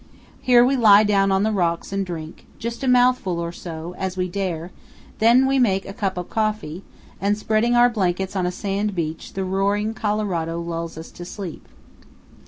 Here we lie down on the rocks and drink, just a mouthful or so, as we dare; then we make a cup of coffee, and spreading our blankets on a sand beach the roaring Colorado lulls us to sleep.